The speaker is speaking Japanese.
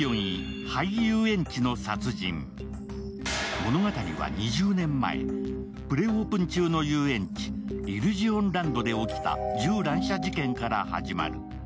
物語は２０年前、プレオープン中の遊園地、イリュジオンランドで起きた銃乱射事件から始まる。